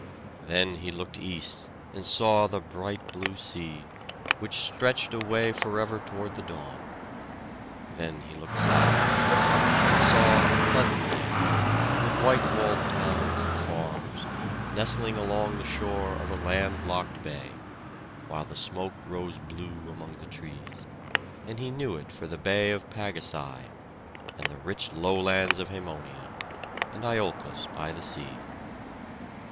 Then he looked east and saw the bright blue sea, which stretched away forever toward the dawn. Then he looked south, and saw a pleasant land, with white walled towns and farms, nestling along the shore of a land locked bay, while the smoke rose blue among the trees; and he knew it for the bay of Pagasai, and the rich lowlands of Hæmonia, and Iolcos by the sea.